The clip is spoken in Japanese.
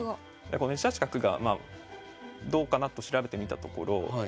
この１八角がどうかなと調べてみたところ。